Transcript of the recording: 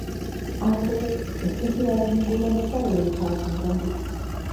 Hala ere espeziearen inguruan ez da gehiegi ezagutzen oraindik.